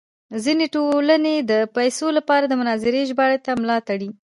ځینې ټولنې د پیسو لپاره د مناظرې ژباړې ته ملا تړي.